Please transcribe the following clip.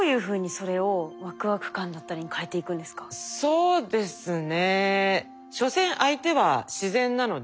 そうですね